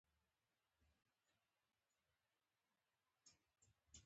رپول یې له ناکامه وزرونه